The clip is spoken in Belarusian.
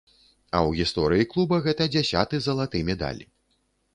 А ў гісторыі клуба гэта дзясяты залаты медаль.